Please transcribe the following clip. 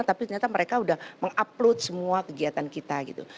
tapi ternyata mereka sudah mengupload semua kegiatan kita gitu